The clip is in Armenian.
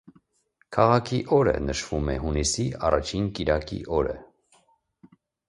Քաղաքի օրը նշվում է հունիսի առաջին կիրակի օրը։